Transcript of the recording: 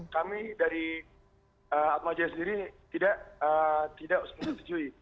kami dari apmj sendiri tidak setuju